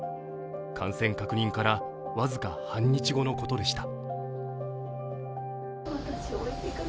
感染確認から僅か半日後のことでした。